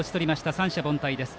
三者凡退です。